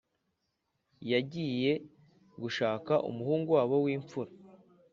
yagiye gushaka umuhungu wabo w'imfura.